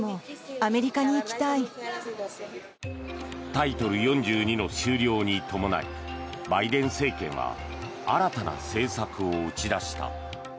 タイトル４２の終了に伴いバイデン政権は新たな政策を打ち出した。